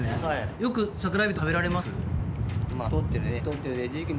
よく桜エビとか食べられます？